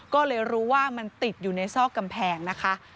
ก็เลยรู้ว่ามันติดอยู่ในซอกกำแพงนะคะ